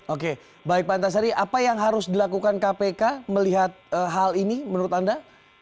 oke baik pak antasari apa yang harus dilakukan kpk melihat hal ini menurut anda